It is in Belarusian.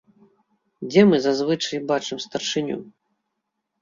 Дзе мы зазвычай бачым старшыню?